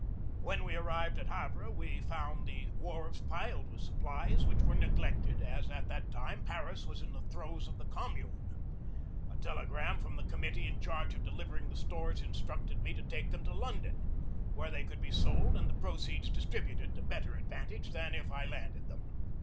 When we arrived at Havre we found the wharves piled with supplies which were neglected, as at that time Paris was in the throes of the Com mune. A telegram from the committee in charge of delivering the stores instructed me to take them to London, where they could be sold and the proceeds distributed to better advantage than if I landed them.